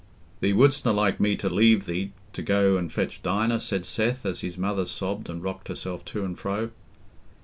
"Thee wouldstna like me to leave thee, to go and fetch Dinah?" said Seth, as his mother sobbed and rocked herself to and fro.